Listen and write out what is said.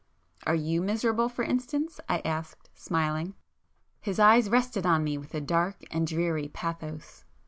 "Are you miserable, for instance?" I asked, smiling. His eyes rested on me with a dark and dreary pathos.